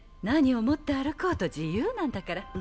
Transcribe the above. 何を持って歩こうと自由なんだから。